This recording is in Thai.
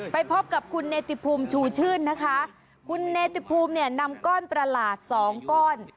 ไปพบกับคุณเนติภูมิชูชื่นนะคะคุณเนติภูมิเนี่ยนำก้อนประหลาดสองก้อน